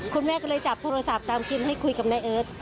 คุณแม่ก็เลยจับโทรศัพท์ตามคลิปให้คุยกับนายเอิร์ท